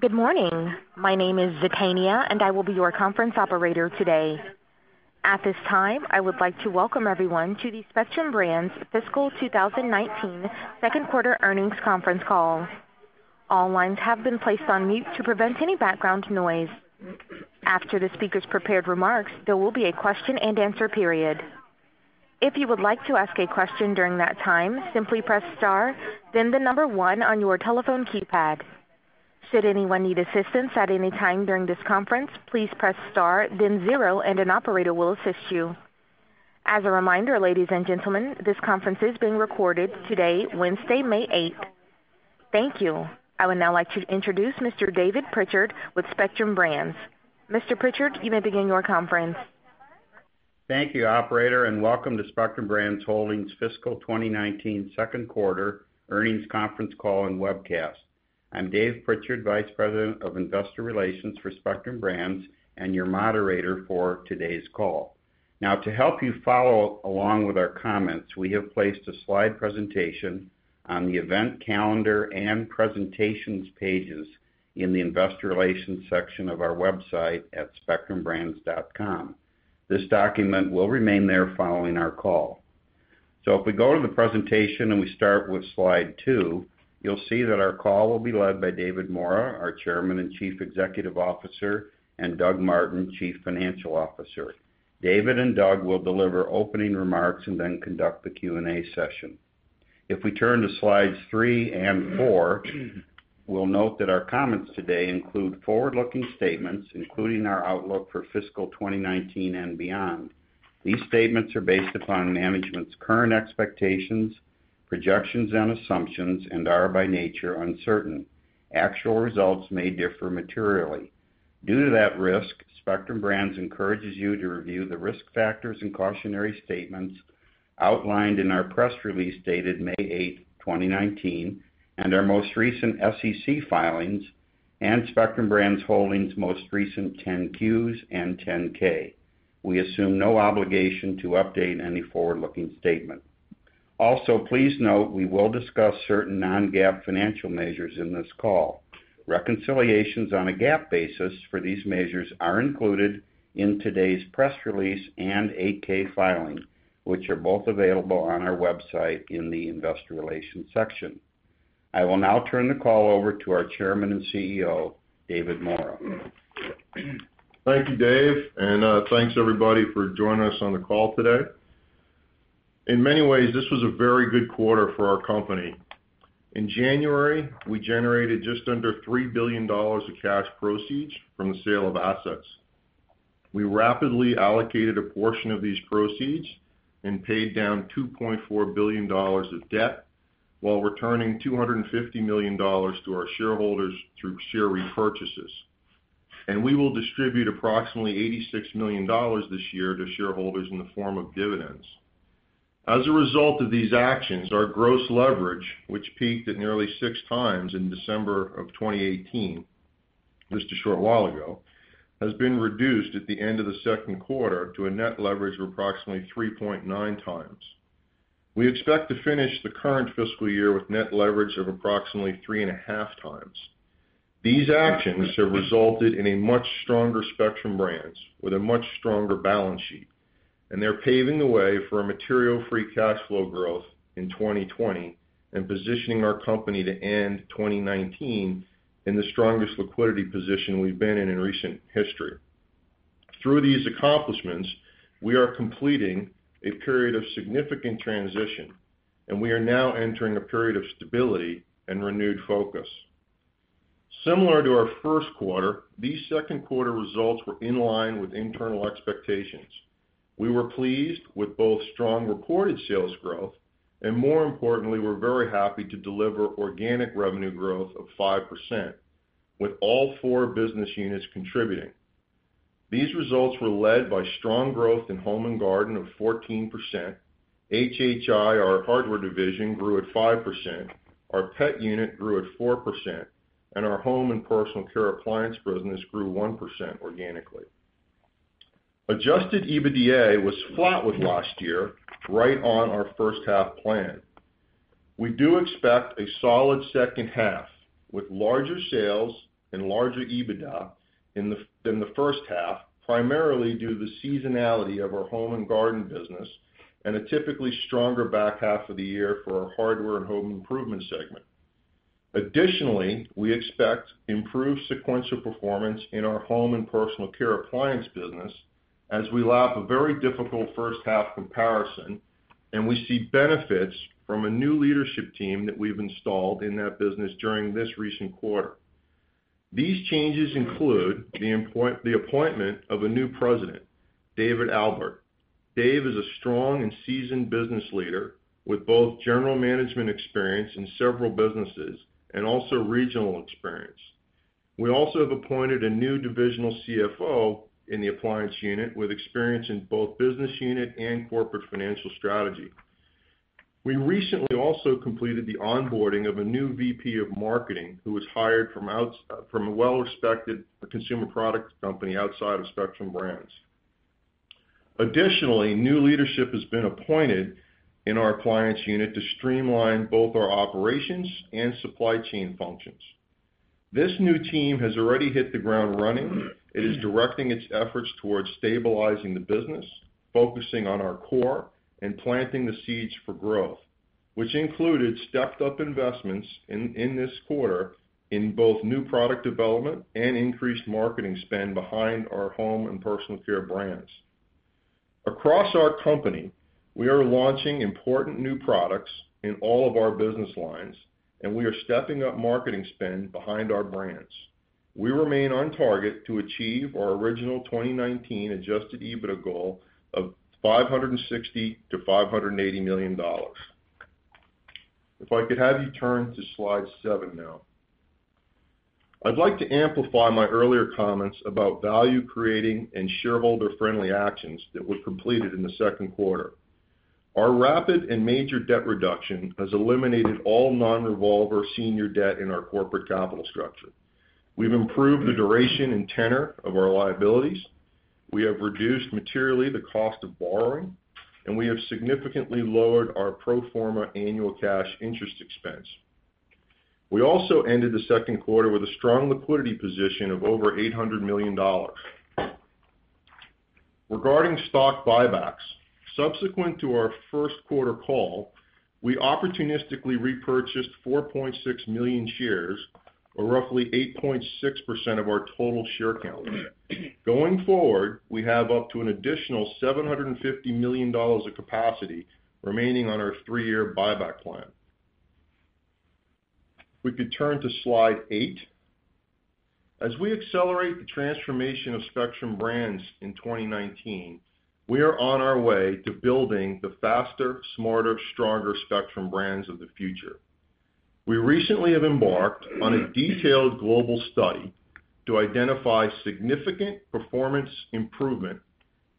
Good morning. My name is Zetania, and I will be your conference operator today. At this time, I would like to welcome everyone to the Spectrum Brands Fiscal 2019 Second Quarter Earnings Conference Call. All lines have been placed on mute to prevent any background noise. After the speakers' prepared remarks, there will be a question and answer period. If you would like to ask a question during that time, simply press star, then the number one on your telephone keypad. Should anyone need assistance at any time during this conference, please press star, then zero, and an operator will assist you. As a reminder, ladies and gentlemen, this conference is being recorded today, Wednesday, May 8th. Thank you. I would now like to introduce Mr. David Prichard with Spectrum Brands. Mr. Prichard, you may begin your conference. Thank you, operator. Welcome to Spectrum Brands Holdings Fiscal 2019 Second Quarter Earnings Conference Call and Webcast. I'm Dave Prichard, vice president of investor relations for Spectrum Brands and your moderator for today's call. To help you follow along with our comments, we have placed a slide presentation on the event calendar and presentations pages in the investor relations section of our website at spectrumbrands.com. This document will remain there following our call. If we go to the presentation and we start with slide two, you'll see that our call will be led by David Maura, our Chairman and Chief Executive Officer, and Doug Martin, Chief Financial Officer. David and Doug will deliver opening remarks and then conduct the Q&A session. If we turn to slides three and four, we'll note that our comments today include forward-looking statements, including our outlook for fiscal 2019 and beyond. These statements are based upon management's current expectations, projections, and assumptions and are by nature uncertain. Actual results may differ materially. Due to that risk, Spectrum Brands encourages you to review the risk factors and cautionary statements outlined in our press release dated May 8th, 2019, and our most recent SEC filings and Spectrum Brands Holdings' most recent 10-Qs and 10-K. We assume no obligation to update any forward-looking statement. Also, please note we will discuss certain non-GAAP financial measures in this call. Reconciliations on a GAAP basis for these measures are included in today's press release and 8-K filing, which are both available on our website in the investor relations section. I will now turn the call over to our Chairman and CEO, David Maura. Thank you, Dave. Thanks everybody for joining us on the call today. In many ways, this was a very good quarter for our company. In January, we generated just under $3 billion of cash proceeds from the sale of assets. We rapidly allocated a portion of these proceeds and paid down $2.4 billion of debt while returning $250 million to our shareholders through share repurchases. We will distribute approximately $86 million this year to shareholders in the form of dividends. As a result of these actions, our gross leverage, which peaked at nearly six times in December of 2018, just a short while ago, has been reduced at the end of the second quarter to a net leverage of approximately 3.9 times. We expect to finish the current fiscal year with net leverage of approximately three and a half times. These actions have resulted in a much stronger Spectrum Brands with a much stronger balance sheet. They're paving the way for a material free cash flow growth in 2020 and positioning our company to end 2019 in the strongest liquidity position we've been in in recent history. Through these accomplishments, we are completing a period of significant transition, and we are now entering a period of stability and renewed focus. Similar to our first quarter, these second quarter results were in line with internal expectations. We were pleased with both strong reported sales growth. More importantly, we're very happy to deliver organic revenue growth of 5% with all four business units contributing. These results were led by strong growth in Home & Garden of 14%. HHI, our hardware division, grew at 5%. Our pet unit grew at 4%, and our Home and Personal Care appliance business grew 1% organically. Adjusted EBITDA was flat with last year, right on our first-half plan. We do expect a solid second half with larger sales and larger EBITDA than the first half, primarily due to the seasonality of our Home & Garden business and a typically stronger back half of the year for our Hardware and Home Improvement segment. We expect improved sequential performance in our Home and Personal Care appliance business as we lap a very difficult first-half comparison and we see benefits from a new leadership team that we've installed in that business during this recent quarter. These changes include the appointment of a new President, David Albert. Dave is a strong and seasoned business leader with both general management experience in several businesses and also regional experience. We also have appointed a new divisional CFO in the appliance unit with experience in both business unit and corporate financial strategy. We recently also completed the onboarding of a new VP of marketing who was hired from a well-respected consumer products company outside of Spectrum Brands. New leadership has been appointed in our clients unit to streamline both our operations and supply chain functions. This new team has already hit the ground running. It is directing its efforts towards stabilizing the business, focusing on our core, and planting the seeds for growth, which included stepped-up investments in this quarter in both new product development and increased marketing spend behind our Home and Personal Care brands. Across our company, we are launching important new products in all of our business lines. We are stepping up marketing spend behind our brands. We remain on target to achieve our original 2019 adjusted EBITDA goal of $560 million-$580 million. If I could have you turn to slide seven now. I'd like to amplify my earlier comments about value creating and shareholder-friendly actions that were completed in the second quarter. Our rapid and major debt reduction has eliminated all non-revolver senior debt in our corporate capital structure. We've improved the duration and tenor of our liabilities. We have reduced materially the cost of borrowing. We have significantly lowered our pro forma annual cash interest expense. We ended the second quarter with a strong liquidity position of over $800 million. Regarding stock buybacks, subsequent to our first quarter call, we opportunistically repurchased 4.6 million shares, or roughly 8.6% of our total share count. Going forward, we have up to an additional $750 million of capacity remaining on our three-year buyback plan. If we could turn to slide eight. As we accelerate the transformation of Spectrum Brands in 2019, we are on our way to building the faster, smarter, stronger Spectrum Brands of the future. We recently have embarked on a detailed global study to identify significant performance improvement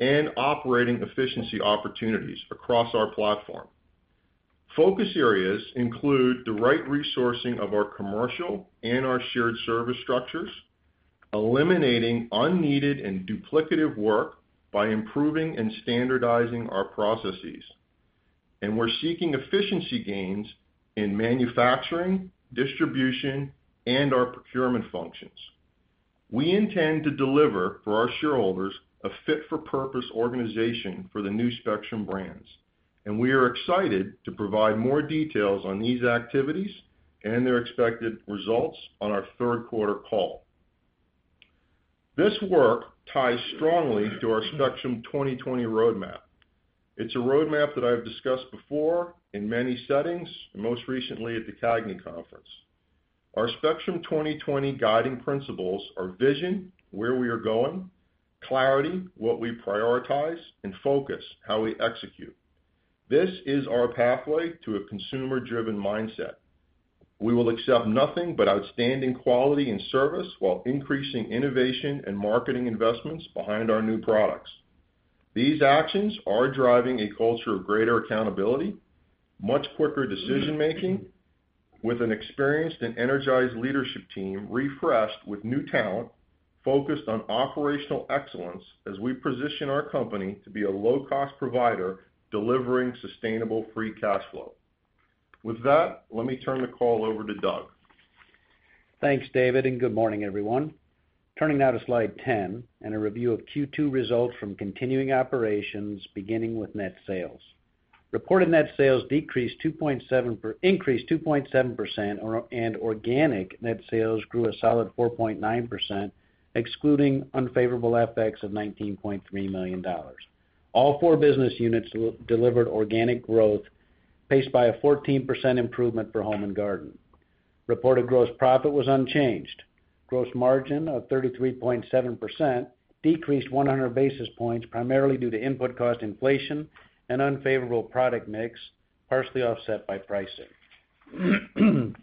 and operating efficiency opportunities across our platform. Focus areas include the right resourcing of our commercial and our shared service structures, eliminating unneeded and duplicative work by improving and standardizing our processes. We are seeking efficiency gains in manufacturing, distribution, and our procurement functions. We intend to deliver for our shareholders a fit-for-purpose organization for the new Spectrum Brands, and we are excited to provide more details on these activities and their expected results on our third quarter call. This work ties strongly to our Spectrum 2020 roadmap. It's a roadmap that I've discussed before in many settings, most recently at the CAGNY Conference. Our Spectrum 2020 guiding principles are vision, where we are going, clarity, what we prioritize, and focus, how we execute. This is our pathway to a consumer-driven mindset. We will accept nothing but outstanding quality and service while increasing innovation and marketing investments behind our new products. These actions are driving a culture of greater accountability, much quicker decision-making with an experienced and energized leadership team refreshed with new talent, focused on operational excellence as we position our company to be a low-cost provider delivering sustainable free cash flow. With that, let me turn the call over to Doug. Thanks, David, and good morning, everyone. Turning now to slide 10 and a review of Q2 results from continuing operations, beginning with net sales. Reported net sales increased 2.7%, and organic net sales grew a solid 4.9%, excluding unfavorable FX of $19.3 million. All four business units delivered organic growth, paced by a 14% improvement for Home & Garden. Reported gross profit was unchanged. Gross margin of 33.7% decreased 100 basis points, primarily due to input cost inflation and unfavorable product mix, partially offset by pricing.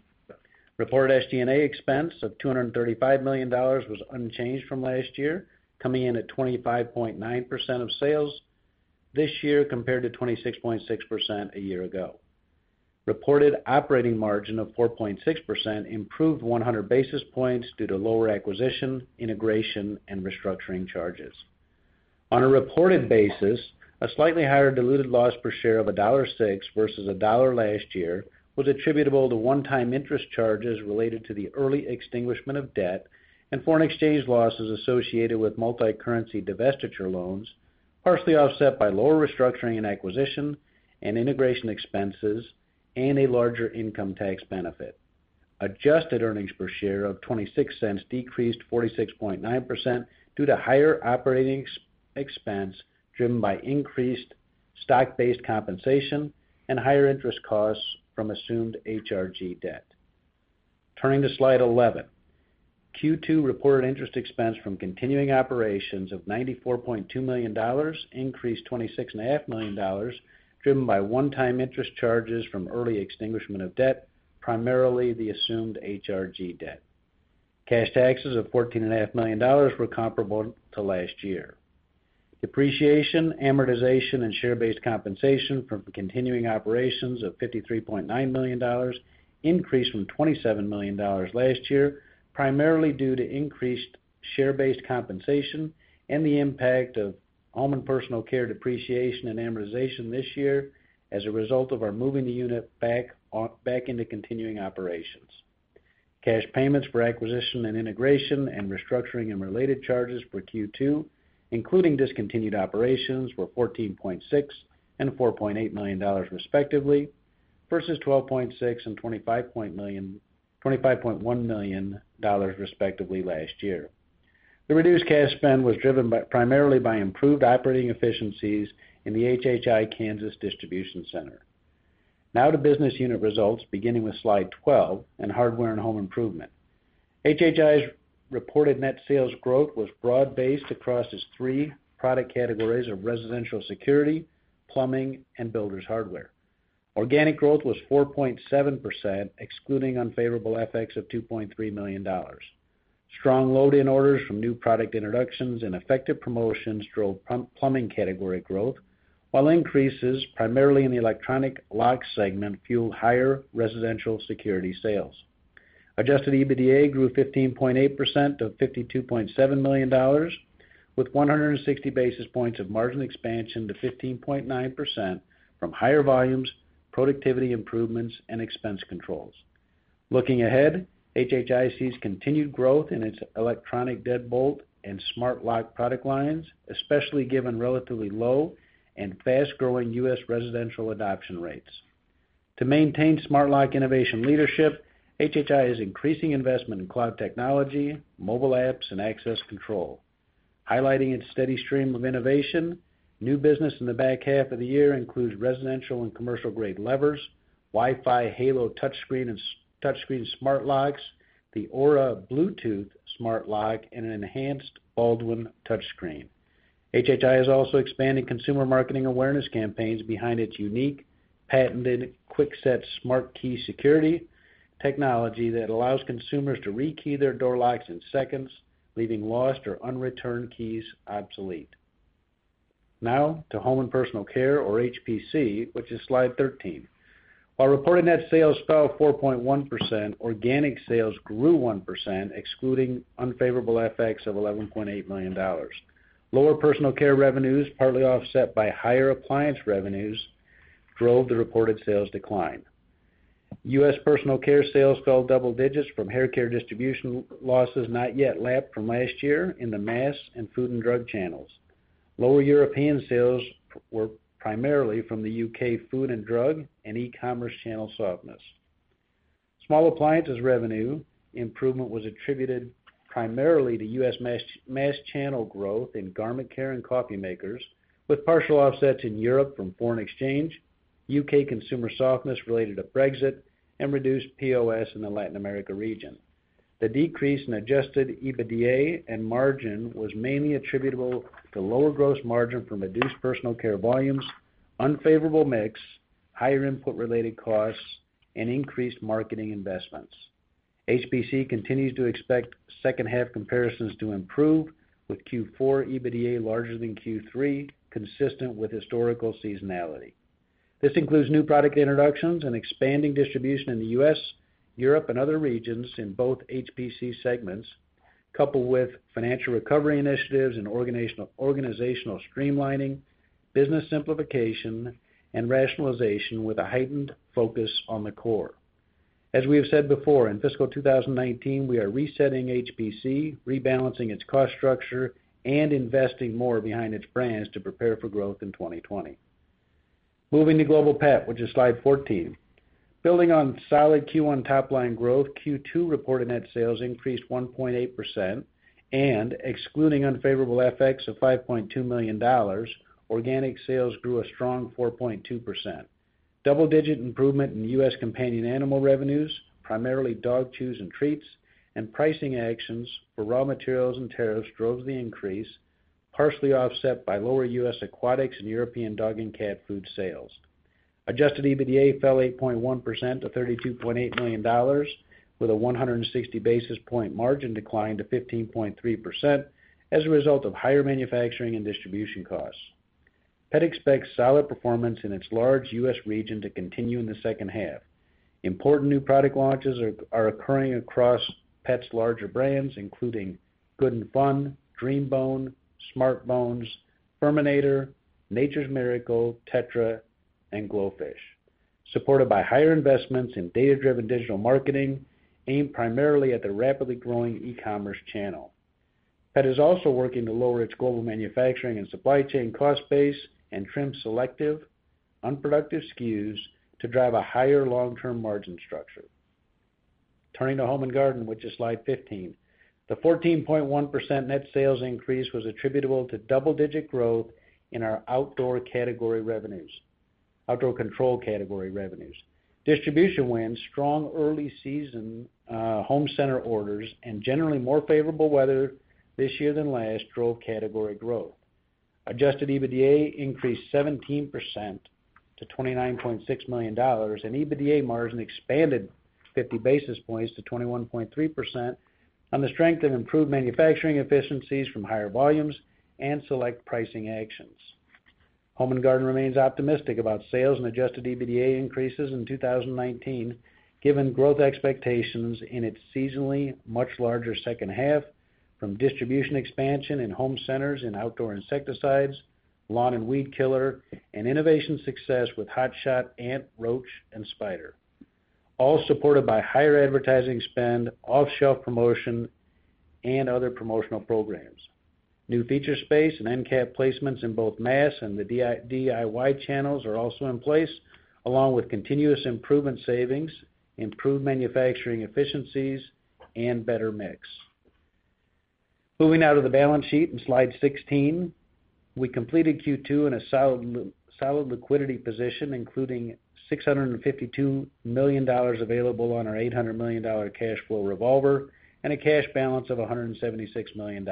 Reported SG&A expense of $235 million was unchanged from last year, coming in at 25.9% of sales this year, compared to 26.6% a year ago. Reported operating margin of 4.6% improved 100 basis points due to lower acquisition, integration, and restructuring charges. On a reported basis, a slightly higher diluted loss per share of $1.06 versus $1 last year was attributable to one-time interest charges related to the early extinguishment of debt and foreign exchange losses associated with multi-currency divestiture loans, partially offset by lower restructuring and acquisition and integration expenses and a larger income tax benefit. Adjusted earnings per share of $0.26 decreased 46.9% due to higher operating expense driven by increased stock-based compensation and higher interest costs from assumed HRG debt. Turning to slide 11. Q2 reported interest expense from continuing operations of $94.2 million increased $26.5 million, driven by one-time interest charges from early extinguishment of debt, primarily the assumed HRG debt. Cash taxes of $14.5 million were comparable to last year. Depreciation, amortization, and share-based compensation from continuing operations of $53.9 million increased from $27 million last year, primarily due to increased Share-based compensation and the impact of Home and Personal Care depreciation and amortization this year as a result of our moving the unit back into continuing operations. Cash payments for acquisition and integration and restructuring and related charges for Q2, including discontinued operations, were $14.6 million and $4.8 million respectively, versus $12.6 million and $25.1 million respectively last year. The reduced cash spend was driven primarily by improved operating efficiencies in the HHI Kansas Distribution Center. To business unit results, beginning with slide 12 and Hardware and Home Improvement. HHI's reported net sales growth was broad-based across its 3 product categories of residential security, plumbing, and builders hardware. Organic growth was 4.7%, excluding unfavorable FX of $2.3 million. Strong load-in orders from new product introductions and effective promotions drove plumbing category growth, while increases primarily in the electronic lock segment fueled higher residential security sales. Adjusted EBITDA grew 15.8% to $52.7 million, with 160 basis points of margin expansion to 15.9% from higher volumes, productivity improvements, and expense controls. Looking ahead, HHI sees continued growth in its electronic deadbolt and smart lock product lines, especially given relatively low and fast-growing U.S. residential adoption rates. To maintain smart lock innovation leadership, HHI is increasing investment in cloud technology, mobile apps, and access control. Highlighting its steady stream of innovation, new business in the back half of the year includes residential and commercial-grade levers, Wi-Fi Halo touchscreen smart locks, the Aura Bluetooth smart lock, and an enhanced Baldwin touchscreen. HHI is also expanding consumer marketing awareness campaigns behind its unique patented Kwikset SmartKey security technology that allows consumers to re-key their door locks in seconds, leaving lost or unreturned keys obsolete. To Home and Personal Care, or HPC, which is slide 13. While reported net sales fell 4.1%, organic sales grew 1%, excluding unfavorable FX of $11.8 million. Lower personal care revenues, partly offset by higher appliance revenues, drove the reported sales decline. U.S. personal care sales fell double digits from haircare distribution losses not yet lapped from last year in the mass and food and drug channels. Lower European sales were primarily from the U.K. food and drug and e-commerce channel softness. Small appliances revenue improvement was attributed primarily to U.S. mass channel growth in garment care and coffee makers, with partial offsets in Europe from foreign exchange, U.K. consumer softness related to Brexit, and reduced POS in the Latin America region. The decrease in adjusted EBITDA and margin was mainly attributable to lower gross margin from reduced personal care volumes, unfavorable mix, higher input-related costs, and increased marketing investments. HPC continues to expect second half comparisons to improve with Q4 EBITDA larger than Q3, consistent with historical seasonality. This includes new product introductions and expanding distribution in the U.S., Europe, and other regions in both HPC segments, coupled with financial recovery initiatives and organizational streamlining, business simplification, and rationalization with a heightened focus on the core. As we have said before, in fiscal 2019, we are resetting HPC, rebalancing its cost structure, and investing more behind its brands to prepare for growth in 2020. Moving to Global Pet, which is slide 14. Building on solid Q1 top-line growth, Q2 reported net sales increased 1.8%, and excluding unfavorable FX of $5.2 million, organic sales grew a strong 4.2%. Double-digit improvement in U.S. companion animal revenues, primarily dog chews and treats, and pricing actions for raw materials and tariffs drove the increase, partially offset by lower U.S. aquatics and European dog and cat food sales. Adjusted EBITDA fell 8.1% to $32.8 million with a 160 basis point margin decline to 15.3% as a result of higher manufacturing and distribution costs. Pet expects solid performance in its large U.S. region to continue in the second half. Important new product launches are occurring across Pet's larger brands, including Good Fun, DreamBone, SmartBones, FURminator, Nature's Miracle, Tetra, and GloFish, supported by higher investments in data-driven digital marketing aimed primarily at the rapidly growing e-commerce channel. Pet is also working to lower its global manufacturing and supply chain cost base and trim selective unproductive SKUs to drive a higher long-term margin structure. Turning to Home and Garden, which is slide 15. The 14.1% net sales increase was attributable to double-digit growth in our outdoor control category revenues. Distribution wins, strong early season home center orders, and generally more favorable weather this year than last drove category growth. Adjusted EBITDA increased 17% to $29.6 million, and EBITDA margin expanded 50 basis points to 21.3% on the strength of improved manufacturing efficiencies from higher volumes and select pricing actions. Home and Garden remains optimistic about sales and adjusted EBITDA increases in 2019, given growth expectations in its seasonally much larger second half from distribution expansion in home centers and outdoor insecticides, lawn and weed killer, and innovation success with Hot Shot ant, roach, and spider, all supported by higher advertising spend, off-shelf promotion, and other promotional programs. New feature space and end cap placements in both mass and the DIY channels are also in place, along with continuous improvement savings, improved manufacturing efficiencies, and better mix. Moving now to the balance sheet in slide 16. We completed Q2 in a solid liquidity position, including $652 million available on our $800 million cash flow revolver and a cash balance of $176 million.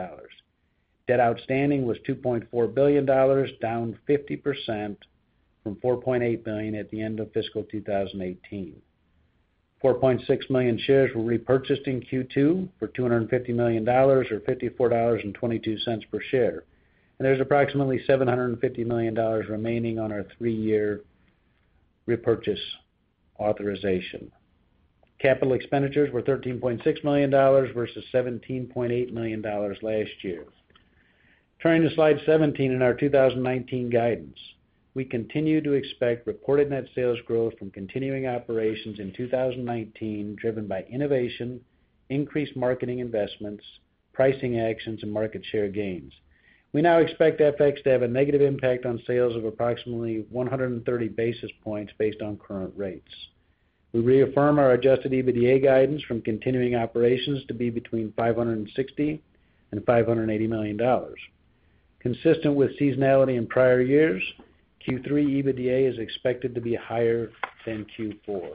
Debt outstanding was $2.4 billion, down 50% from $4.8 billion at the end of fiscal 2018. 4.6 million shares were repurchased in Q2 for $250 million or $54.22 per share. There's approximately $750 million remaining on our three-year repurchase authorization. Capital expenditures were $13.6 million versus $17.8 million last year. Turning to slide 17 and our 2019 guidance. We continue to expect reported net sales growth from continuing operations in 2019, driven by innovation, increased marketing investments, pricing actions, and market share gains. We now expect FX to have a negative impact on sales of approximately 130 basis points based on current rates. We reaffirm our adjusted EBITDA guidance from continuing operations to be between $560 and $580 million. Consistent with seasonality in prior years, Q3 EBITDA is expected to be higher than Q4.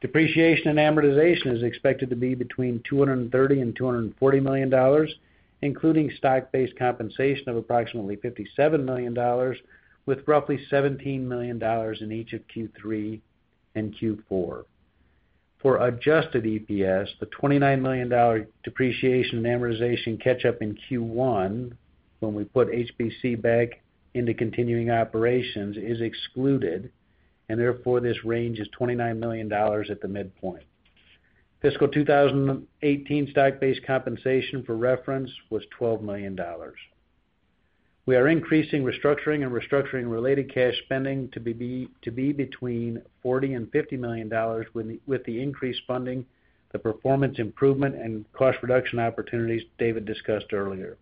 Depreciation and amortization is expected to be between $230 and $240 million, including stock-based compensation of approximately $57 million, with roughly $17 million in each of Q3 and Q4. For adjusted EPS, the $29 million depreciation and amortization catch-up in Q1 when we put HBC back into continuing operations is excluded, therefore, this range is $29 million at the midpoint. Fiscal 2018 stock-based compensation for reference was $12 million. We are increasing restructuring and restructuring-related cash spending to be between $40 and $50 million with the increased funding, the performance improvement, and cost reduction opportunities David discussed earlier.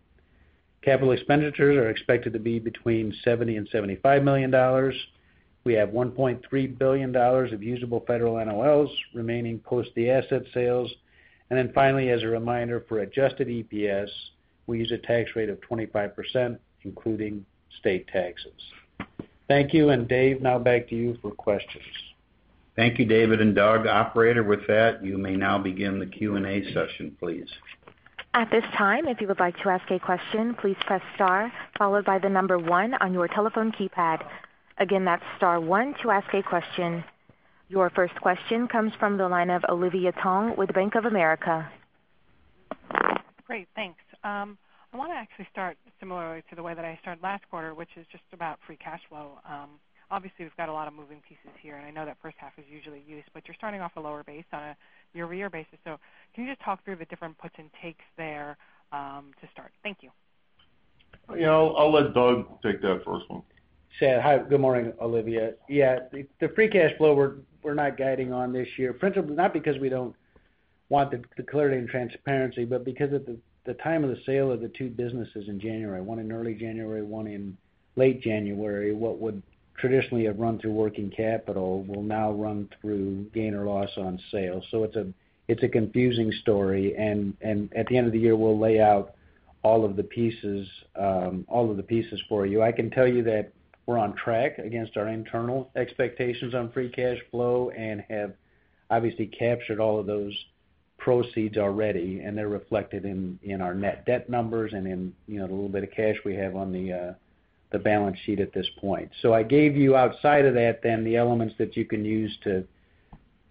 Capital expenditures are expected to be between $70 and $75 million. We have $1.3 billion of usable federal NOLs remaining post the asset sales. Finally, as a reminder, for adjusted EPS, we use a tax rate of 25%, including state taxes. Thank you. Dave, now back to you for questions. Thank you, David and Doug. Operator, with that, you may now begin the Q&A session, please. At this time, if you would like to ask a question, please press star followed by the number one on your telephone keypad. Again, that's star one to ask a question. Your first question comes from the line of Olivia Tong with Bank of America. Great, thanks. I want to actually start similarly to the way that I started last quarter, which is just about free cash flow. Obviously, we've got a lot of moving pieces here, and I know that first half is usually used, but you're starting off a lower base on a year-over-year basis. Can you just talk through the different puts and takes there to start? Thank you. I'll let Doug take that first one. Sure. Hi, good morning, Olivia. Yeah. The free cash flow, we're not guiding on this year, principally not because we don't want the clarity and transparency, but because at the time of the sale of the two businesses in January, one in early January, one in late January, what would traditionally have run through working capital will now run through gain or loss on sale. It's a confusing story, and at the end of the year, we'll lay out all of the pieces for you. I can tell you that we're on track against our internal expectations on free cash flow and have obviously captured all of those proceeds already, and they're reflected in our net debt numbers and in the little bit of cash we have on the balance sheet at this point. I gave you outside of that the elements that you can use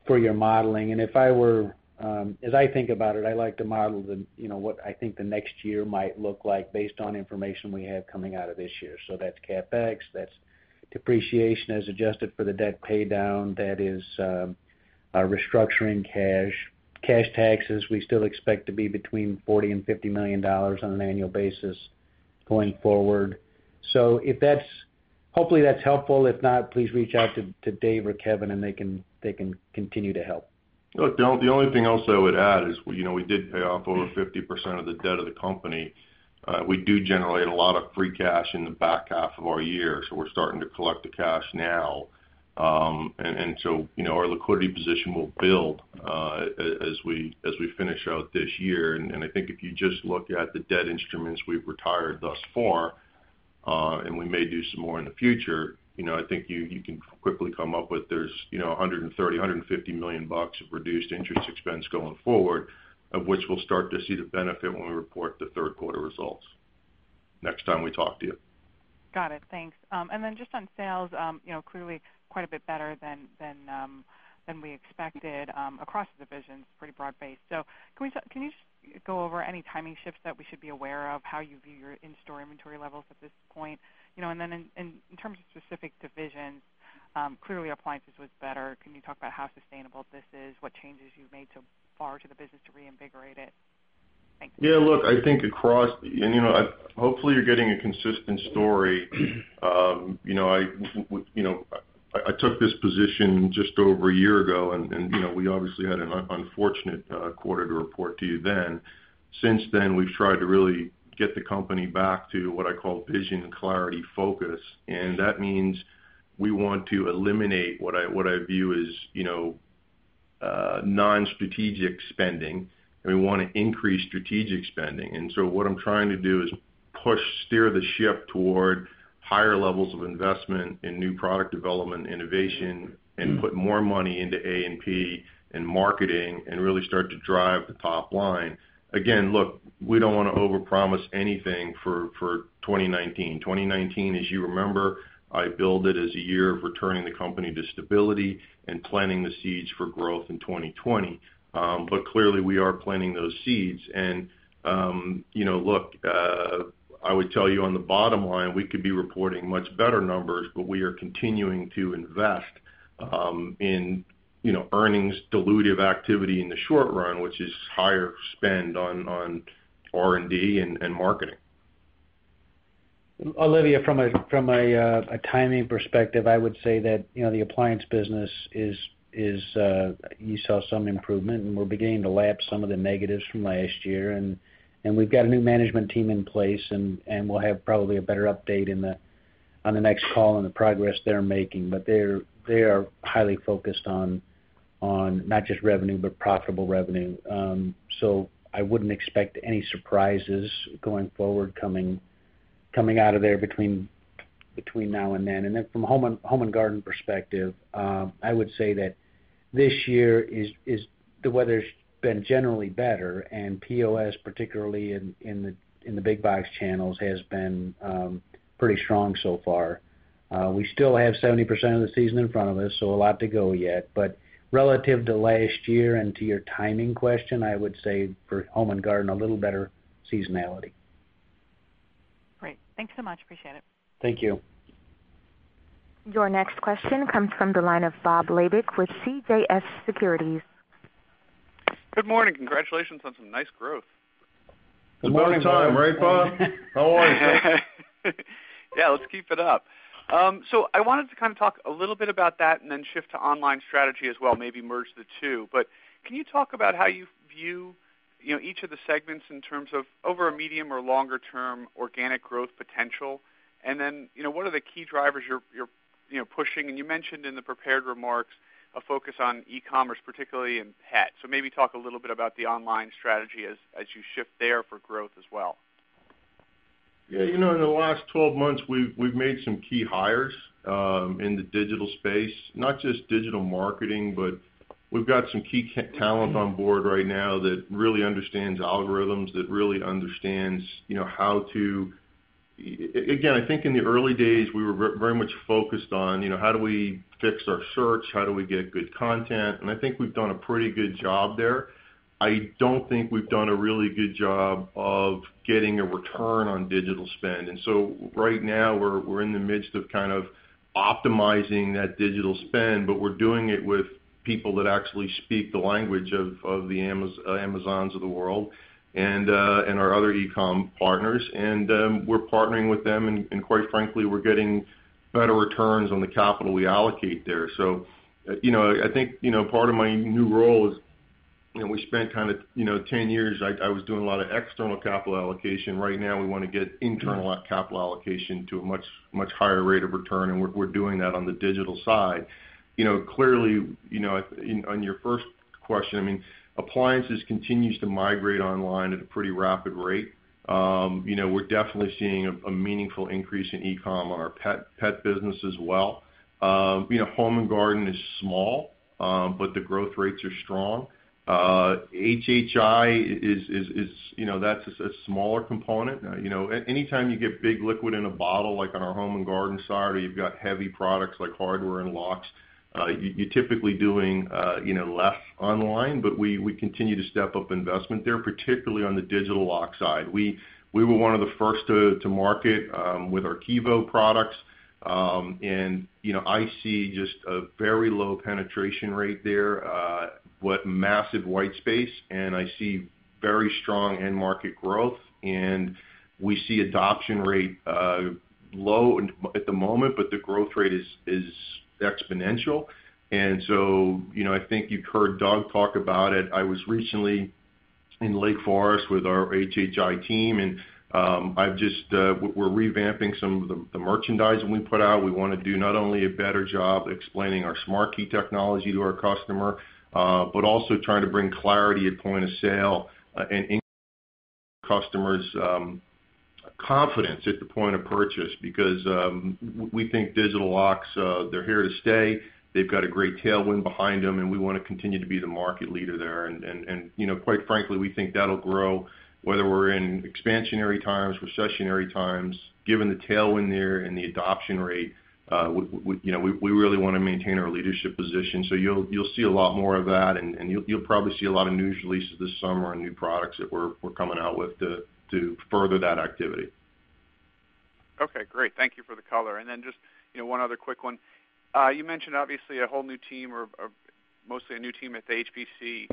for your modeling. As I think about it, I like to model what I think the next year might look like based on information we have coming out of this year. That's CapEx, that's depreciation as adjusted for the debt paydown. That is our restructuring cash. Cash taxes, we still expect to be between $40 million and $50 million on an annual basis going forward. Hopefully that's helpful. If not, please reach out to Dave or Kevin and they can continue to help. Look, the only thing else I would add is we did pay off over 50% of the debt of the company. We do generate a lot of free cash in the back half of our year, so we're starting to collect the cash now. Our liquidity position will build as we finish out this year. I think if you just look at the debt instruments we've retired thus far, and we may do some more in the future, I think you can quickly come up with there's $130 million, $150 million of reduced interest expense going forward of which we'll start to see the benefit when we report the third quarter results. Next time we talk to you. Got it. Thanks. Just on sales, clearly quite a bit better than we expected across the divisions, pretty broad-based. Can you just go over any timing shifts that we should be aware of, how you view your in-store inventory levels at this point? In terms of specific divisions, clearly appliances was better. Can you talk about how sustainable this is, what changes you've made so far to the business to reinvigorate it? Thanks. Yeah, look, hopefully you're getting a consistent story. I took this position just over a year ago, we obviously had an unfortunate quarter to report to you then. Since then, we've tried to really get the company back to what I call vision and clarity focus. That means we want to eliminate what I view as non-strategic spending, we want to increase strategic spending. What I'm trying to do is push, steer the ship toward higher levels of investment in new product development, innovation, and put more money into A&P and marketing and really start to drive the top line. Again, look, we don't want to overpromise anything for 2019. 2019, as you remember, I billed it as a year of returning the company to stability and planting the seeds for growth in 2020. Clearly, we are planting those seeds and, look, I would tell you on the bottom line, we could be reporting much better numbers, we are continuing to invest in earnings dilutive activity in the short run, which is higher spend on R&D and marketing. Olivia, from a timing perspective, I would say that the appliance business. You saw some improvement and we're beginning to lap some of the negatives from last year, and we've got a new management team in place, and we'll have probably a better update on the next call on the progress they're making. They are highly focused on not just revenue, but profitable revenue. I wouldn't expect any surprises going forward coming out of there between now and then. From a Home & Garden perspective, I would say that this year, the weather's been generally better, and POS, particularly in the big box channels, has been pretty strong so far. We still have 70% of the season in front of us, so a lot to go yet. Relative to last year and to your timing question, I would say for Home & Garden, a little better seasonality. Great. Thanks so much. Appreciate it. Thank you. Your next question comes from the line of Bob Labovitz with CJS Securities. Good morning. Congratulations on some nice growth. Good morning to you, Bob. How are you? Yeah, let's keep it up. I wanted to talk a little bit about that and then shift to online strategy as well, maybe merge the two. Can you talk about how you view each of the segments in terms of over a medium or longer term organic growth potential? What are the key drivers you're pushing? You mentioned in the prepared remarks a focus on e-commerce, particularly in pet. Maybe talk a little bit about the online strategy as you shift there for growth as well. Yeah, in the last 12 months, we've made some key hires in the digital space. Not just digital marketing, but we've got some key talent on board right now that really understands algorithms, that really understands how to. Again, I think in the early days, we were very much focused on how do we fix our search, how do we get good content? I think we've done a pretty good job there. I don't think we've done a really good job of getting a return on digital spend. Right now we're in the midst of optimizing that digital spend, but we're doing it with people that actually speak the language of the Amazons of the world and our other e-com partners. We're partnering with them, and quite frankly, we're getting better returns on the capital we allocate there. I think part of my new role is we spent kind of 10 years, I was doing a lot of external capital allocation. Right now we want to get internal capital allocation to a much higher rate of return, and we're doing that on the digital side. Clearly, on your first question, appliances continues to migrate online at a pretty rapid rate. We're definitely seeing a meaningful increase in e-com on our pet business as well. Home & Garden is small, but the growth rates are strong. HHI, that's a smaller component. Anytime you get big liquid in a bottle, like on our Home & Garden side, or you've got heavy products like hardware and locks, you're typically doing less online. We continue to step up investment there, particularly on the digital lock side. We were one of the first to market with our Kevo products. I see just a very low penetration rate there, but massive white space, and I see very strong end market growth. We see adoption rate low at the moment, but the growth rate is exponential. I think you've heard Doug talk about it. I was recently in Lake Forest with our HHI team, and we're revamping some of the merchandising we put out. We want to do not only a better job explaining our SmartKey technology to our customer, but also trying to bring clarity at point of sale and customers' confidence at the point of purchase because we think digital locks, they're here to stay. They've got a great tailwind behind them, and we want to continue to be the market leader there. Quite frankly, we think that'll grow, whether we're in expansionary times, recessionary times, given the tailwind there and the adoption rate, we really want to maintain our leadership position. You'll see a lot more of that, and you'll probably see a lot of news releases this summer on new products that we're coming out with to further that activity. Okay, great. Thank you for the color. Just one other quick one. You mentioned, obviously, a whole new team or mostly a new team at the HPC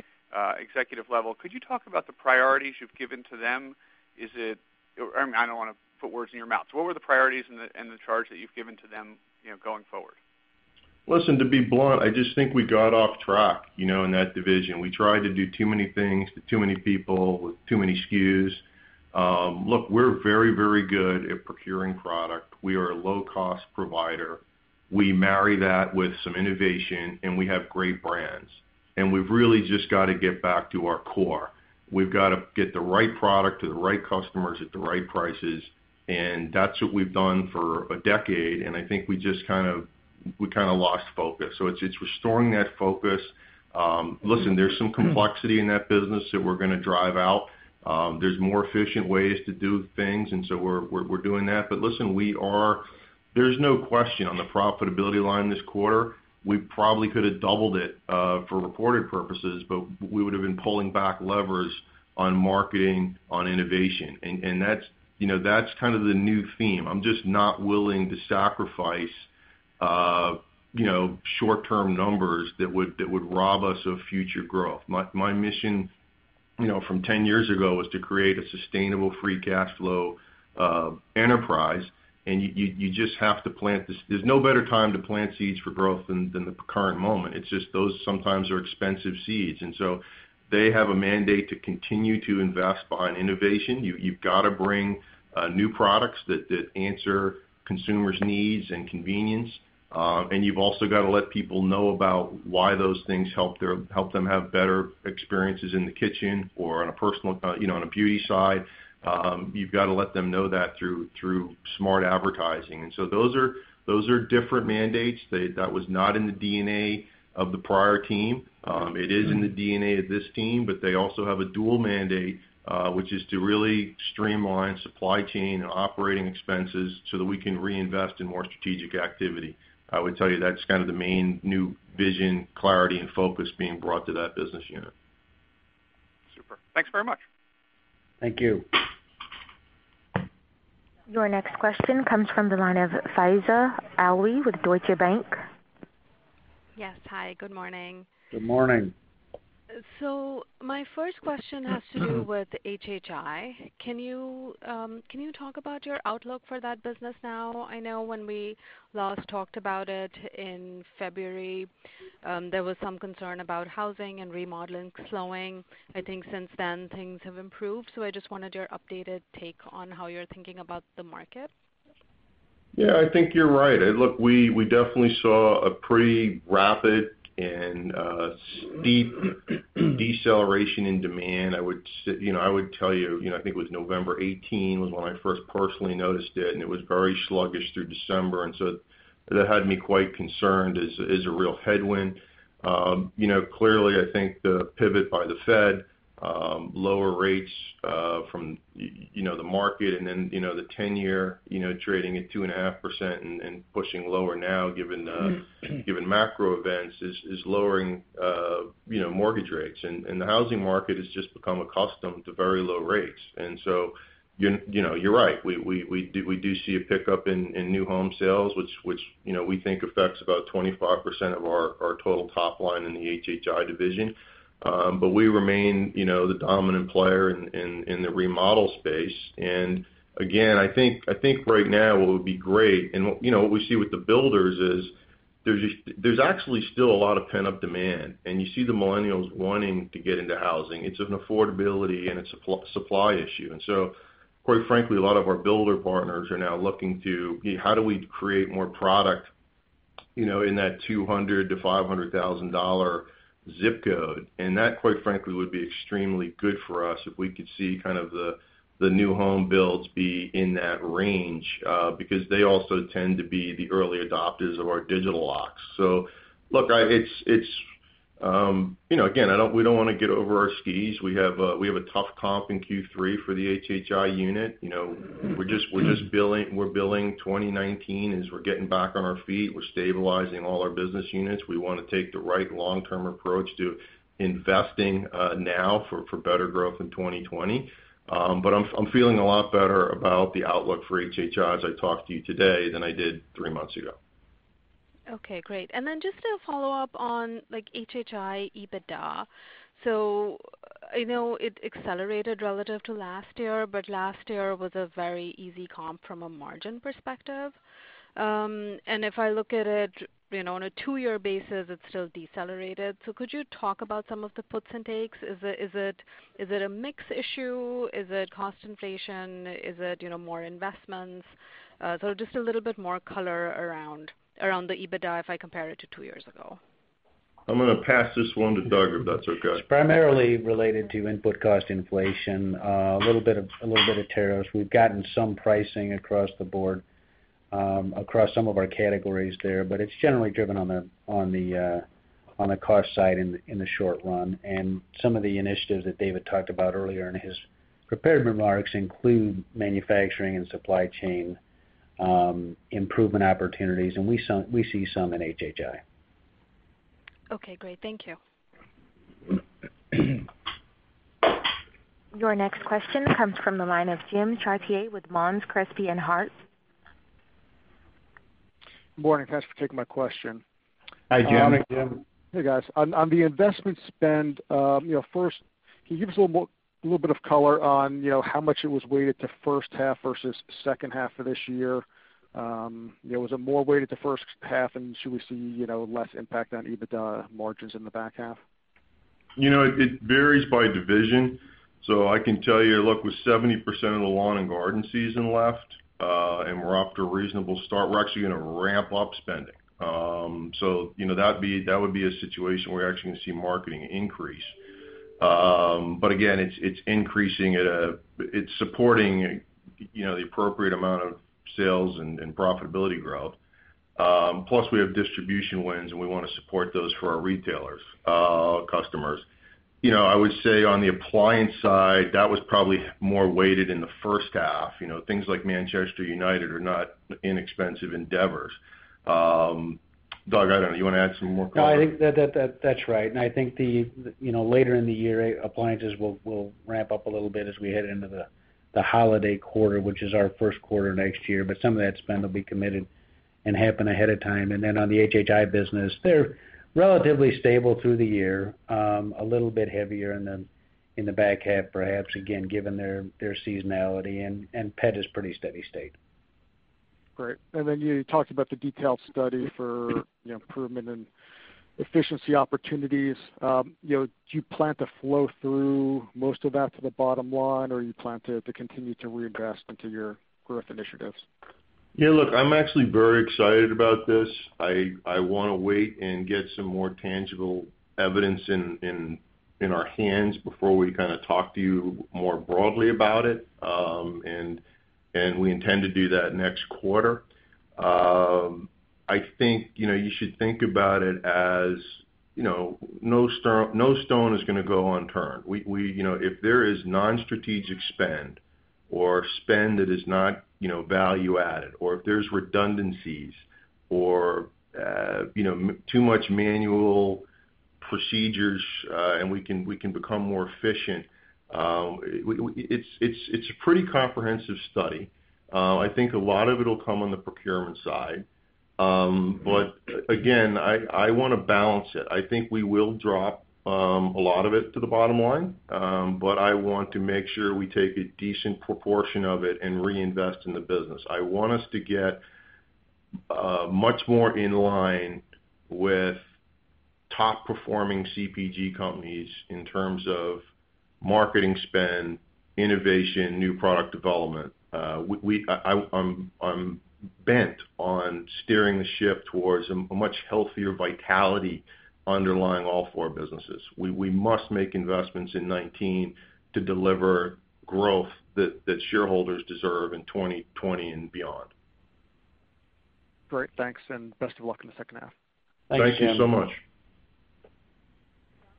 executive level. Could you talk about the priorities you've given to them? I don't want to put words in your mouth. What were the priorities and the charge that you've given to them going forward? Listen, to be blunt, I just think we got off track in that division. We tried to do too many things with too many people with too many SKUs. Look, we're very, very good at procuring product. We are a low-cost provider. We marry that with some innovation, and we have great brands. We've really just got to get back to our core. We've got to get the right product to the right customers at the right prices, and that's what we've done for a decade, and I think we kind of lost focus. It's restoring that focus. Listen, there's some complexity in that business that we're going to drive out. There's more efficient ways to do things, we're doing that. Listen, there's no question on the profitability line this quarter, we probably could have doubled it, for reporting purposes, but we would've been pulling back levers on marketing, on innovation, and that's kind of the new theme. I'm just not willing to sacrifice short-term numbers that would rob us of future growth. My mission from 10 years ago was to create a sustainable free cash flow enterprise. There's no better time to plant seeds for growth than the current moment. It's just those sometimes are expensive seeds. They have a mandate to continue to invest behind innovation. You've got to bring new products that answer consumers' needs and convenience. You've also got to let people know about why those things help them have better experiences in the kitchen or on a beauty side. You've got to let them know that through smart advertising. Those are different mandates. That was not in the DNA of the prior team. It is in the DNA of this team, but they also have a dual mandate, which is to really streamline supply chain and operating expenses so that we can reinvest in more strategic activity. I would tell you that's kind of the main new vision, clarity, and focus being brought to that business unit. Super. Thanks very much. Thank you. Your next question comes from the line of Faiza Alwy with Deutsche Bank. Yes. Hi, good morning. Good morning. My first question has to do with HHI. Can you talk about your outlook for that business now? I know when we last talked about it in February, there was some concern about housing and remodeling slowing. I think since then, things have improved. I just wanted your updated take on how you're thinking about the market. Yeah, I think you're right. Look, we definitely saw a pretty rapid and steep deceleration in demand. I would tell you, I think it was November 18 was when I first personally noticed it, and it was very sluggish through December. That had me quite concerned as a real headwind. Clearly I think the pivot by the Fed, lower rates from the market and then the 10-year trading at 2.5% and pushing lower now given macro events is lowering mortgage rates. The housing market has just become accustomed to very low rates. You're right. We do see a pickup in new home sales, which we think affects about 25% of our total top line in the HHI division. We remain the dominant player in the remodel space. Again, I think right now what would be great, and what we see with the builders is there's actually still a lot of pent-up demand, and you see the millennials wanting to get into housing. It's an affordability and it's a supply issue. Quite frankly, a lot of our builder partners are now looking to how do we create more product in that $200,000-$500,000 zip code. That, quite frankly, would be extremely good for us if we could see kind of the new home builds be in that range, because they also tend to be the early adopters of our digital locks. Look, again, we don't want to get over our skis. We have a tough comp in Q3 for the HHI unit. We're billing 2019 as we're getting back on our feet. We're stabilizing all our business units. We want to take the right long-term approach to investing now for better growth in 2020. I'm feeling a lot better about the outlook for HHI as I talk to you today than I did three months ago. Okay, great. Just a follow-up on HHI EBITDA. I know it accelerated relative to last year, last year was a very easy comp from a margin perspective. If I look at it on a two-year basis, it's still decelerated. Could you talk about some of the puts and takes? Is it a mix issue? Is it cost inflation? Is it more investments? Just a little bit more color around the EBITDA if I compare it to two years ago. I'm going to pass this one to Doug, if that's okay. It's primarily related to input cost inflation, a little bit of tariffs. We've gotten some pricing across the board, across some of our categories there, but it's generally driven on the cost side in the short run. Some of the initiatives that David talked about earlier in his prepared remarks include manufacturing and supply chain improvement opportunities, and we see some in HHI. Okay, great. Thank you. Your next question comes from the line of Jim Chartier with Monness, Crespi, Hardt. Good morning. Thanks for taking my question. Hi, Jim. Morning, Jim. Hey, guys. On the investment spend, first, can you give us a little bit of color on how much it was weighted to first half versus second half of this year? Was it more weighted to first half, and should we see less impact on EBITDA margins in the back half? It varies by division. I can tell you, look, with 70% of the lawn and garden season left, and we're off to a reasonable start, we're actually going to ramp up spending. That would be a situation where you're actually going to see marketing increase. Again, it's supporting the appropriate amount of sales and profitability growth. Plus, we have distribution wins, and we want to support those for our retailers, our customers. I would say on the appliance side, that was probably more weighted in the first half. Things like Manchester United are not inexpensive endeavors. Doug, I don't know, you want to add some more color? I think that's right. I think later in the year, appliances will ramp up a little bit as we head into the holiday quarter, which is our first quarter next year. Some of that spend will be committed and happen ahead of time. On the HHI business, they're relatively stable through the year. A little bit heavier in the back half, perhaps, again, given their seasonality, and pet is pretty steady state. Great. You talked about the detailed study for improvement and efficiency opportunities. Do you plan to flow through most of that to the bottom line, or you plan to continue to reinvest into your growth initiatives? Look, I'm actually very excited about this. I want to wait and get some more tangible evidence in our hands before we talk to you more broadly about it, and we intend to do that next quarter. I think you should think about it as no stone is going to go unturned. If there is non-strategic spend or spend that is not value added, or if there's redundancies or too much manual procedures, and we can become more efficient. It's a pretty comprehensive study. I think a lot of it will come on the procurement side. Again, I want to balance it. I think we will drop a lot of it to the bottom line, but I want to make sure we take a decent proportion of it and reinvest in the business. I want us to get much more in line with top-performing CPG companies in terms of marketing spend, innovation, new product development. I'm bent on steering the ship towards a much healthier vitality underlying all four businesses. We must make investments in 2019 to deliver growth that shareholders deserve in 2020 and beyond. Great. Thanks, and best of luck in the second half. Thanks, Jim. Thank you so much.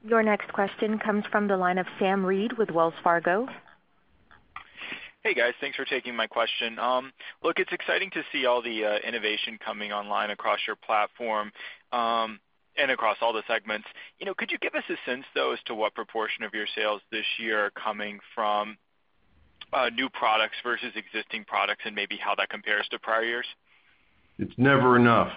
Your next question comes from the line of Sam Reid with Wells Fargo. Hey, guys. Thanks for taking my question. Look, it's exciting to see all the innovation coming online across your platform, and across all the segments. Could you give us a sense, though, as to what proportion of your sales this year are coming from new products versus existing products, and maybe how that compares to prior years? It's never enough.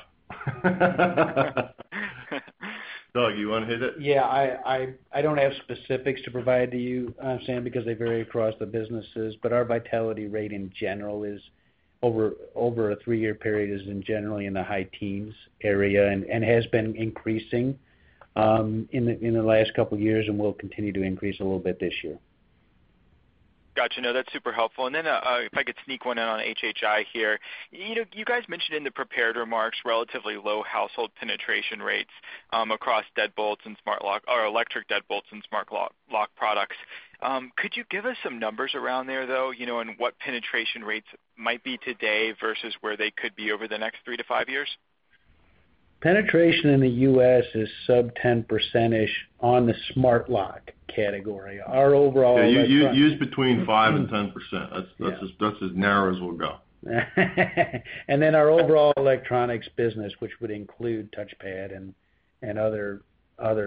Doug, you want to hit it? Yeah. I don't have specifics to provide to you, Sam, because they vary across the businesses. Our vitality rate in general is over a three-year period is generally in the high teens area, and has been increasing in the last couple of years and will continue to increase a little bit this year. Got you. No, that's super helpful. If I could sneak one in on HHI here. You guys mentioned in the prepared remarks relatively low household penetration rates across deadbolts and smart lock, or electric deadbolts and smart lock products. Could you give us some numbers around there, though, and what penetration rates might be today versus where they could be over the next three to five years? Penetration in the U.S. is sub 10% on the smart lock category. Yeah, use between 5% and 10%. That's as narrow as we'll go. Our overall electronics business, which would include touchpad and other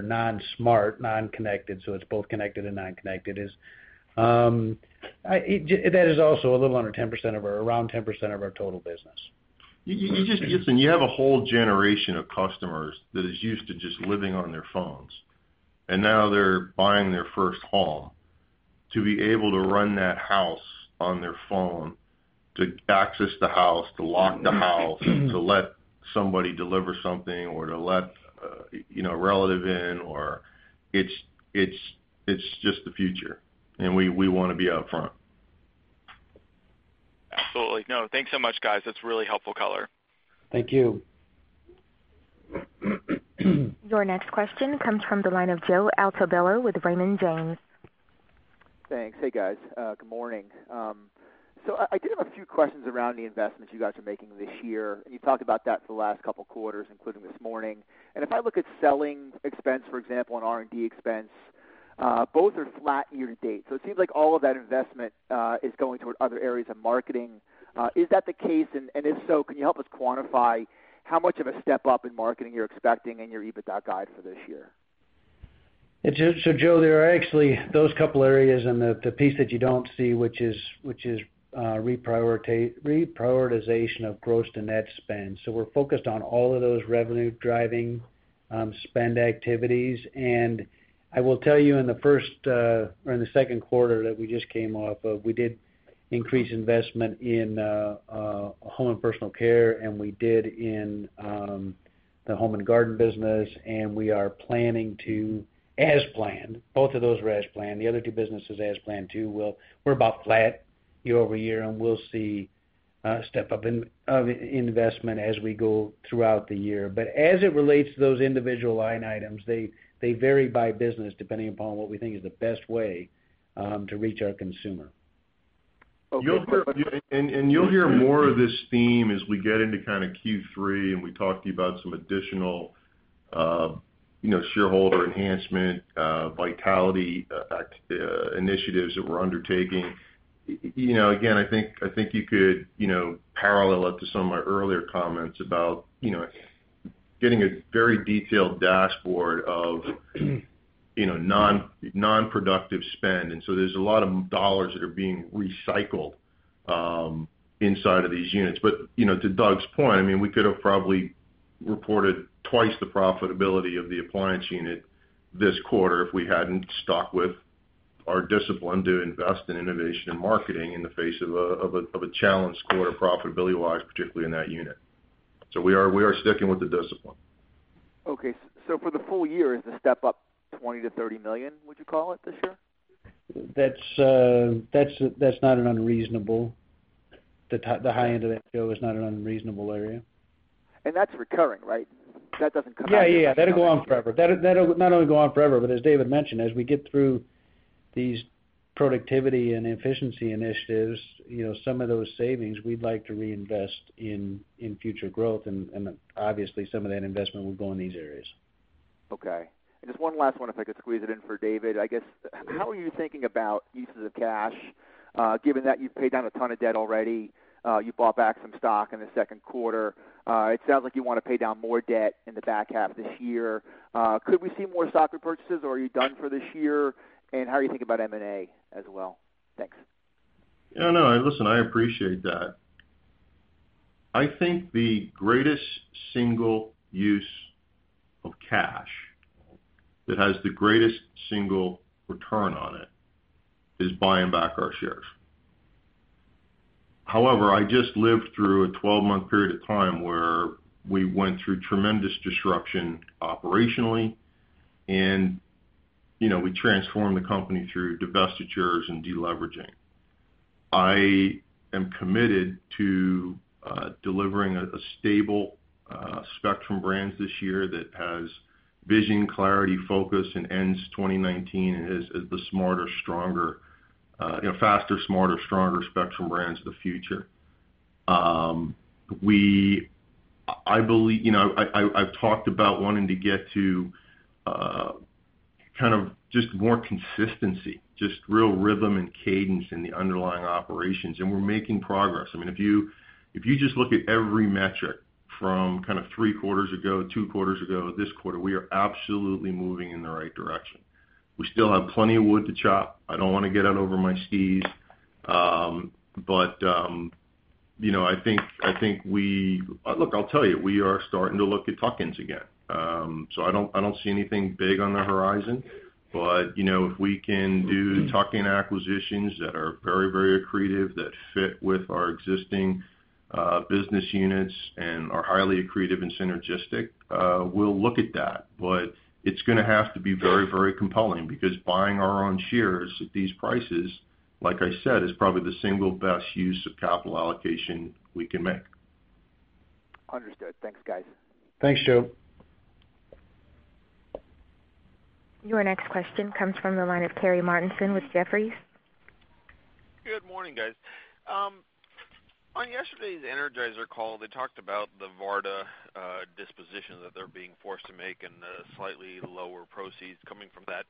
non-smart, non-connected, so it's both connected and non-connected, that is also a little under 10%, around 10% of our total business. You have a whole generation of customers that is used to just living on their phones, now they're buying their first home. To be able to run that house on their phone, to access the house, to lock the house, and to let somebody deliver something or to let a relative in. It's just the future, we want to be up front. Absolutely. No, thanks so much, guys. That's really helpful color. Thank you. Your next question comes from the line of Joseph Altobello with Raymond James. Thanks. Hey, guys. Good morning. I did have a few questions around the investments you guys are making this year, and you talked about that for the last couple of quarters, including this morning. If I look at selling expense, for example, and R&D expense, both are flat year-to-date. It seems like all of that investment is going toward other areas of marketing. Is that the case? And if so, can you help us quantify how much of a step up in marketing you're expecting in your EBITDA guide for this year? Joe, there are actually those couple areas and the piece that you don't see, which is reprioritization of gross to net spend. We're focused on all of those revenue-driving spend activities. I will tell you in the second quarter that we just came off of, we did increase investment in Home & Personal Care, and we did in the Home & Garden business, and we are planning to, as planned. Both of those were as planned. The other two businesses as planned too. We're about flat year-over-year, and we'll see a step up in investment as we go throughout the year. As it relates to those individual line items, they vary by business depending upon what we think is the best way to reach our consumer. You'll hear more of this theme as we get into Q3, and we talk to you about some additional shareholder enhancement, vitality initiatives that we're undertaking. Again, I think you could parallel it to some of my earlier comments about getting a very detailed dashboard of non-productive spend. There's a lot of dollars that are being recycled inside of these units. To Doug's point, we could have probably reported twice the profitability of the appliance unit this quarter if we hadn't stuck with our discipline to invest in innovation and marketing in the face of a challenged quarter profitability-wise, particularly in that unit. We are sticking with the discipline. For the full year, is the step up $20-$30 million, would you call it this year? That's not unreasonable. The high end of that, Joe, is not an unreasonable area. That's recurring, right? That doesn't come. Yeah. That'll go on forever. That'll not only go on forever, but as David mentioned, as we get through these productivity and efficiency initiatives, some of those savings we'd like to reinvest in future growth, and obviously, some of that investment will go in these areas. Okay. Just one last one, if I could squeeze it in for David, I guess. How are you thinking about uses of cash, given that you've paid down a ton of debt already, you bought back some stock in the second quarter. It sounds like you want to pay down more debt in the back half this year. Could we see more stock repurchases, or are you done for this year? How are you thinking about M&A as well? Thanks. No, listen, I appreciate that. I think the greatest single use of cash that has the greatest single return on it is buying back our shares. However, I just lived through a 12-month period of time where we went through tremendous disruption operationally, and we transformed the company through divestitures and deleveraging. I am committed to delivering a stable Spectrum Brands this year that has vision, clarity, focus, and ends 2019 as the faster, smarter, stronger Spectrum Brands of the future. I've talked about wanting to get to just more consistency, just real rhythm and cadence in the underlying operations, and we're making progress. If you just look at every metric from three quarters ago, two quarters ago, this quarter, we are absolutely moving in the right direction. We still have plenty of wood to chop. I don't want to get out over my skis. Look, I'll tell you, we are starting to look at tuck-ins again. I don't see anything big on the horizon. If we can do tuck-in acquisitions that are very accretive, that fit with our existing business units and are highly accretive and synergistic, we'll look at that. It's going to have to be very compelling because buying our own shares at these prices, like I said, is probably the single best use of capital allocation we can make. Understood. Thanks, guys. Thanks, Joe. Your next question comes from the line of Carey Martinson with Jefferies. Good morning, guys. On yesterday's Energizer call, they talked about the Varta disposition that they're being forced to make and the slightly lower proceeds coming from that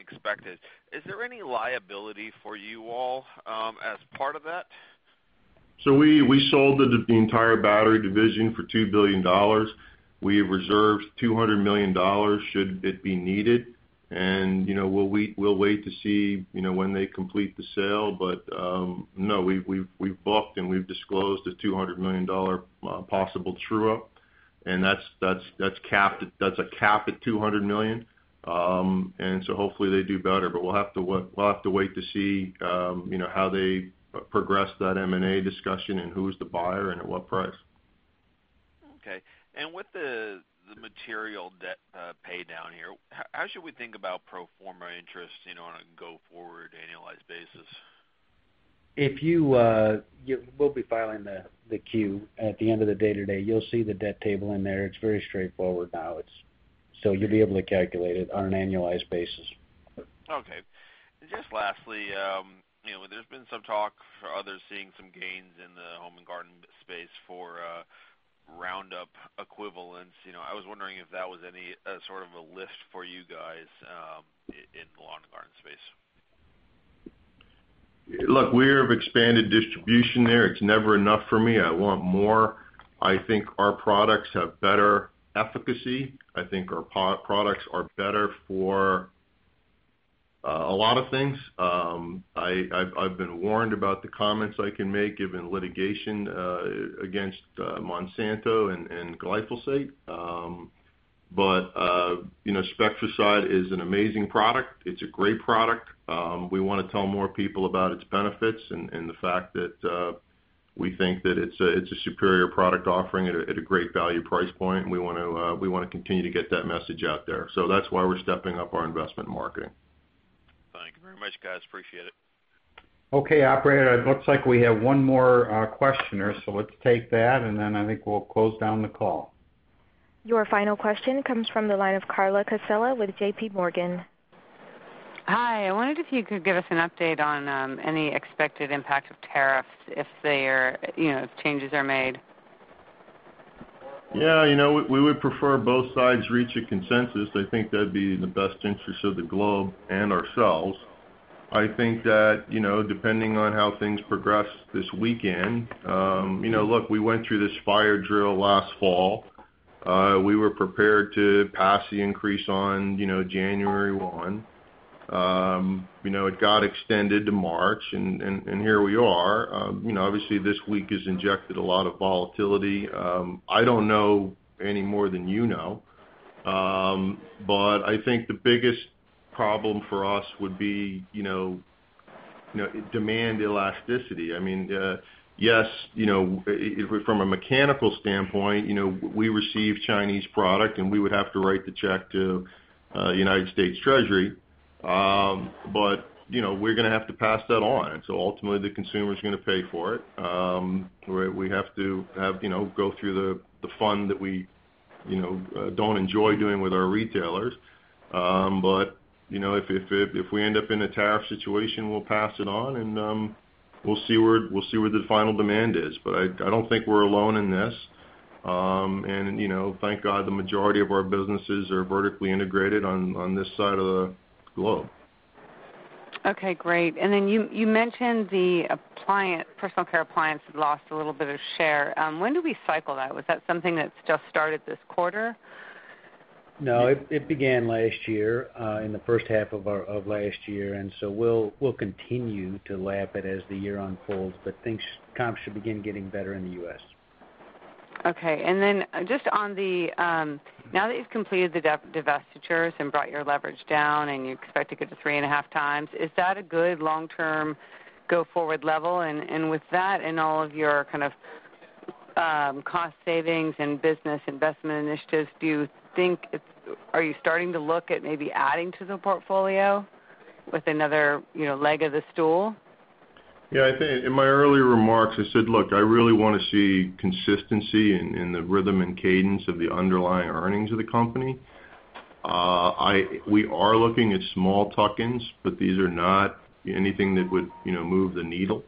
expected. Is there any liability for you all as part of that? We sold the entire battery division for $2 billion. We have reserved $200 million should it be needed, and we'll wait to see when they complete the sale. No, we've booked and we've disclosed a $200 million possible true-up, and that's a cap at $200 million. Hopefully they do better, but we'll have to wait to see how they progress that M&A discussion and who's the buyer and at what price. Okay. With the material debt pay down here, how should we think about pro forma interest on a go-forward annualized basis? We'll be filing the Q at the end of the day today. You'll see the debt table in there. It's very straightforward now. You'll be able to calculate it on an annualized basis. Okay. Just lastly, there's been some talk for others seeing some gains in the home and garden space for Roundup equivalents. I was wondering if that was any sort of a lift for you guys in the lawn and garden space. We have expanded distribution there. It is never enough for me. I want more. I think our products have better efficacy. I think our products are better for a lot of things. I have been warned about the comments I can make given litigation against Monsanto and glyphosate. Spectracide is an amazing product. It is a great product. We want to tell more people about its benefits and the fact that we think that it is a superior product offering at a great value price point, and we want to continue to get that message out there. That is why we are stepping up our investment marketing. Thank you very much, guys. Appreciate it. Operator. It looks like we have one more questioner, so let us take that, and then I think we will close down the call. Your final question comes from the line of Carla Casella with J.P. Morgan. Hi, I wondered if you could give us an update on any expected impact of tariffs if changes are made. Yeah, we would prefer both sides reach a consensus. I think that'd be in the best interest of the globe and ourselves. I think that depending on how things progress this weekend. Look, we went through this fire drill last fall. We were prepared to pass the increase on January 1. It got extended to March, and here we are. Obviously, this week has injected a lot of volatility. I don't know any more than you know. I think the biggest problem for us would be demand elasticity. Yes, from a mechanical standpoint, we receive Chinese product, and we would have to write the check to United States Treasury. We're going to have to pass that on. Ultimately, the consumer's going to pay for it. We have to go through the fund that we don't enjoy doing with our retailers. If we end up in a tariff situation, we'll pass it on, and we'll see where the final demand is. I don't think we're alone in this. Thank God the majority of our businesses are vertically integrated on this side of the globe. Okay, great. Then you mentioned the personal care appliance had lost a little bit of share. When do we cycle that? Was that something that's just started this quarter? No, it began last year, in the first half of last year. We'll continue to lap it as the year unfolds, but comps should begin getting better in the U.S. Okay. Then just on the, now that you've completed the divestitures and brought your leverage down and you expect to get to 3.5 times, is that a good long-term go forward level? With that and all of your kind of cost savings and business investment initiatives, are you starting to look at maybe adding to the portfolio with another leg of the stool? Yeah, I think in my earlier remarks, I said, look, I really want to see consistency in the rhythm and cadence of the underlying earnings of the company. We are looking at small tuck-ins, but these are not anything that would move the needle.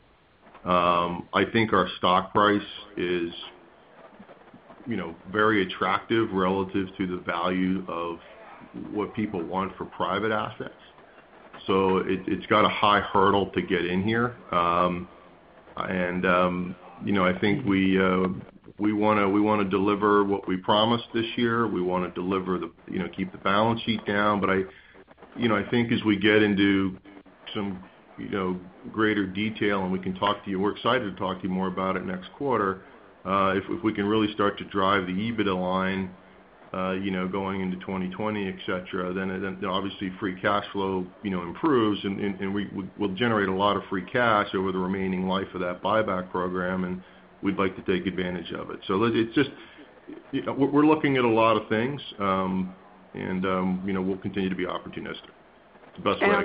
I think our stock price is very attractive relative to the value of what people want for private assets. It's got a high hurdle to get in here. I think we want to deliver what we promised this year. We want to keep the balance sheet down. I think as we get into some greater detail, and we can talk to you, we're excited to talk to you more about it next quarter. If we can really start to drive the EBITDA line going into 2020, et cetera, then obviously free cash flow improves, and we'll generate a lot of free cash over the remaining life of that buyback program, and we'd like to take advantage of it. We're looking at a lot of things, and we'll continue to be opportunistic. That's the best way I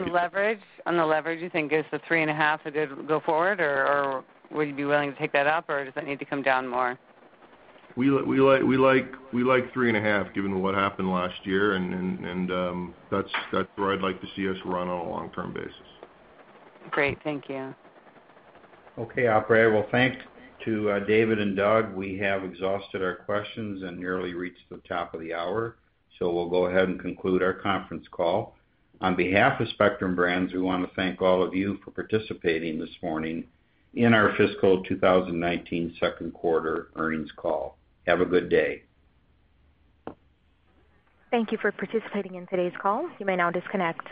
can. The leverage you think is the 3.5 go forward, or would you be willing to take that up, or does that need to come down more? We like 3.5 given what happened last year, and that's where I'd like to see us run on a long-term basis. Great. Thank you. Okay, operator. Well, thanks to David and Doug. We have exhausted our questions and nearly reached the top of the hour. We'll go ahead and conclude our conference call. On behalf of Spectrum Brands, we want to thank all of you for participating this morning in our fiscal 2019 second quarter earnings call. Have a good day. Thank you for participating in today's call. You may now disconnect your-